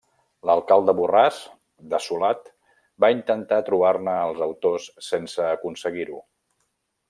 L'alcalde Borràs, dessolat, va intentar trobar-ne els autors sense aconseguir-ho.